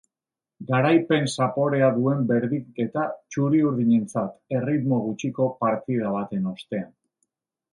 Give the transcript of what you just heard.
Garaipen zaporea duen berdinketa txuri-urdinentzat erritmo gutxiko partida baten ostean.